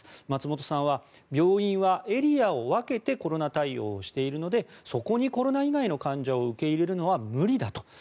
松本さんは病院はエリアを分けてコロナ対応をしているのでそこにコロナ以外の患者を受け入れるのは無理だと。